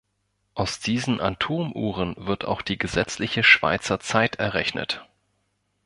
Aus diesen Atomuhren wird auch die gesetzliche Schweizer Zeit errechnet.